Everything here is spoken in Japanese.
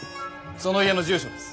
その家の住所です。